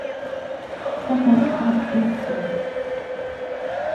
Sahnada tag‘in kino ko‘rindi.